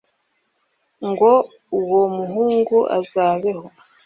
ngo uwo muhungu azabeho